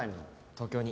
東京に。